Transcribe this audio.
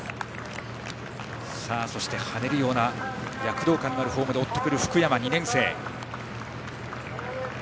そしてはねるような躍動感のあるフォームで追ってくる福山、２年生。